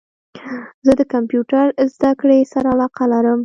زه د کمپیوټرد زده کړي سره علاقه لرم